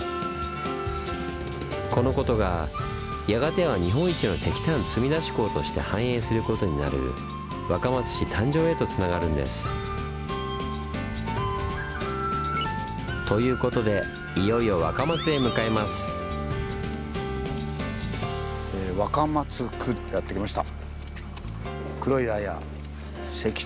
このことがやがては日本一の石炭積み出し港として繁栄することになる若松市誕生へとつながるんです。ということでいよいよ若松へ向かいます！ということでここへやって来ました。